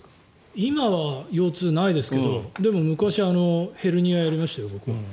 今は腰痛ないですけど昔、僕もヘルニアやりました。